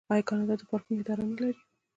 آیا کاناډا د پارکونو اداره نلري؟